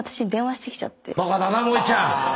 バカだな萌ちゃん！